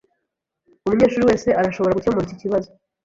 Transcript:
Umunyeshuri wese arashobora gukemura iki kibazo.